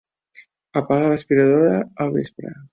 Apaga l'aspiradora al vespre.